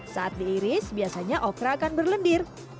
saat diiris biasanya okra akan berlendir